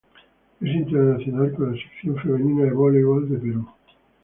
Es internacional con la Selección femenina de voleibol de Perú.